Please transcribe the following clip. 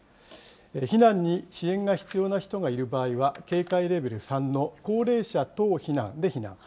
避難に支援が必要な人がいる場合は、警戒レベル３の高齢者等避難で避難。